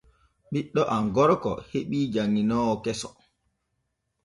Ɓiɗɗo am gorko heɓi janŋinoowo keso.